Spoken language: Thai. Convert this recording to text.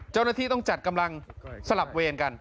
เจ้าหน้าที่ต้องจัดกำลังสลับเวรกัน